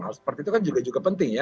hal seperti itu kan juga penting ya